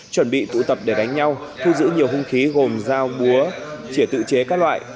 chuẩn bị tụ tập để đánh nhau thu giữ nhiều hung khí gồm dao búa chỉa tự chế các loại